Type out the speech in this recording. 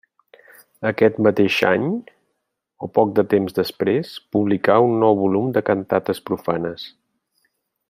Aquest mateix any, o poc de temps després, publicà un nou volum de cantates profanes.